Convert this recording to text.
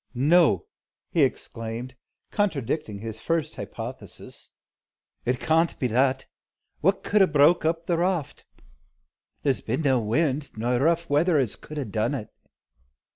"No!" he exclaimed, contradicting his first hypothesis, "It can't be that. What could 'a broke up the raft? There 's been no wind, nor rough weather, as could 'a done it.